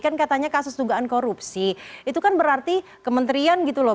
kan katanya kasus dugaan korupsi itu kan berarti kementerian gitu loh